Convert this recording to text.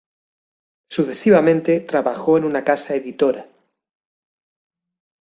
Sucesivamente trabajó en una casa editora.